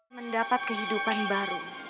mendapat kehidupan baru